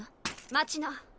待ちな。